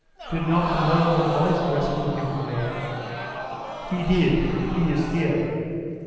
Did not the noble Wallace rescue him from Ayr?" "He did, and he is here."